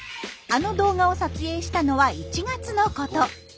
あの動画を撮影したのは１月のこと。